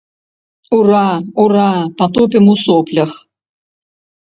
Ура, ура, патопім у соплях.